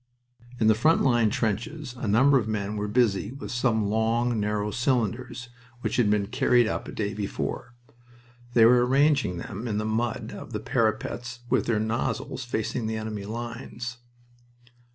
In the front line trenches a number of men were busy with some long, narrow cylinders, which had been carried up a day before. They were arranging them in the mud of the parapets with their nozles facing the enemy lines.